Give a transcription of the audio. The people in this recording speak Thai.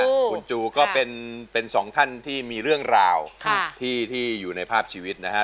คุณจูก็เป็นสองท่านที่มีเรื่องราวที่อยู่ในภาพชีวิตนะฮะ